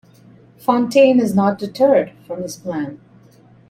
Fontaine is not deterred from his plan.